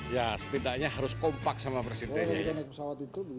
ya setidaknya harus kompak sama presiden